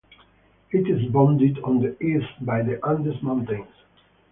It is bounded on the east by the Andes Mountains.